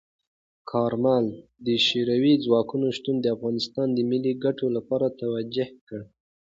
کارمل د شوروي ځواکونو شتون د افغانستان د ملي ګټو لپاره توجیه کړ.